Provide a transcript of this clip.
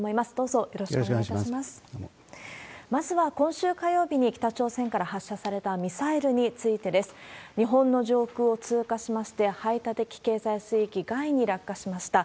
まずは、今週火曜日に北朝鮮から発射されたミサイルについてです。日本の上空を通過しまして、排他的経済水域外に落下しました。